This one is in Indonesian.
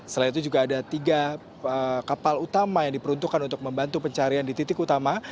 selain itu juga ada tiga kapal utama yang diperuntukkan untuk membantu pencarian di titik utama